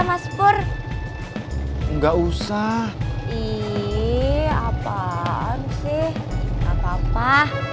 hai paspor nggak usah ih apaan sih apa apa